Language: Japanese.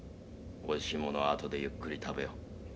おいしい物は後でゆっくり食べよう。